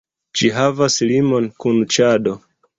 Ĝi havas limon kun Ĉado.